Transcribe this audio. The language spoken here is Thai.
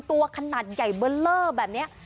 ตัวขนาดใหญ่เบอร์เลอร์แบบนี้